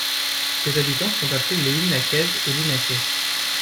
Ses habitants sont appelés les Lunacaises et Lunacais.